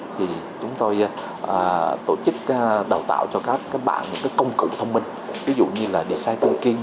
thì chúng tôi tổ chức đào tạo cho các bạn những công cụ thông minh ví dụ như là design thinking